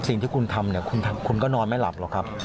สิ่งที่คุณทำเนี่ยคุณก็นอนไม่หลับหรอกครับ